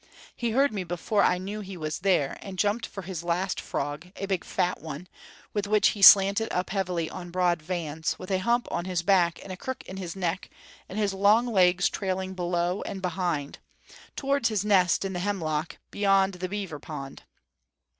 He heard me before I knew he was there, and jumped for his last frog, a big fat one, with which he slanted up heavily on broad vans with a hump on his back and a crook in his neck and his long legs trailing below and behind towards his nest in the hemlock, beyond the beaver pond.